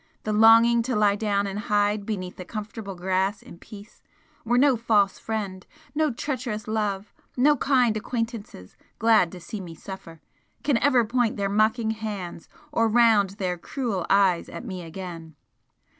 the longing to lie down and hide beneath the comfortable grass in peace, where no false friend, no treacherous love, no 'kind' acquaintances, glad to see me suffer, can ever point their mocking hands or round their cruel eyes at me again!